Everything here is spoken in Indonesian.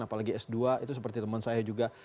apalagi s dua itu seperti teman saya juga